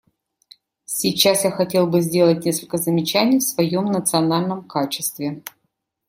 Сейчас я хотел бы сделать несколько замечаний в своем национальном качестве.